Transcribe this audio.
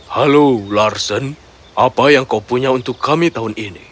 halo larsen apa yang kau punya untuk kami tahun ini